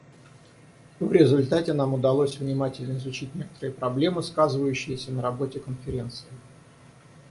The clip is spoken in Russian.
В результате нам удалось внимательно изучить некоторые проблемы, сказывающиеся на работе Конференции.